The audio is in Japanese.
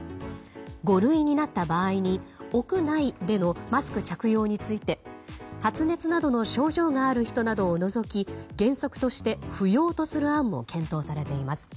五類になった場合に屋内でのマスク着用について発熱などの症状がある人などを除き原則として不要とする案も検討されています。